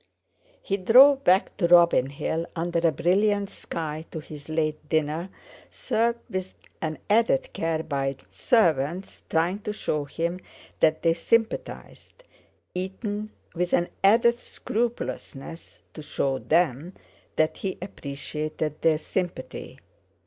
He drove back to Robin Hill under a brilliant sky to his late dinner, served with an added care by servants trying to show him that they sympathised, eaten with an added scrupulousness to show them that he appreciated their sympathy.